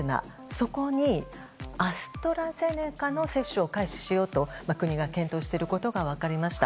そこにアストラゼネカの接種を開始しようと国が検討していることが分かりました。